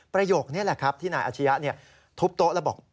ประโยคนี้แหละครับที่นายอาชียะทุบโต๊ะแล้วบอก